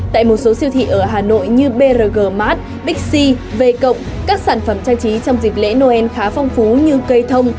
tại một số siêu thị ở hà nội như brg mat bixi v cộng các sản phẩm trang trí trong dịp lễ noel khá phong phú như cây thông